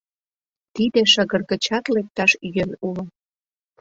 Тиде шыгыр гычат лекташ йӧн уло.